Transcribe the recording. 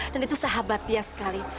dan itu sahabat dia sekali